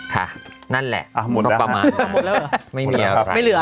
ค่ะนั่นแหละโมนแล้วประมาณโมนแล้วหรอไม่เหลือ